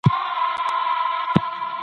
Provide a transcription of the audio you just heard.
ټولنه د بدلون په حال کې ده.